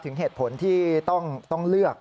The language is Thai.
ถึงเหตุผลที่ต้องเลือก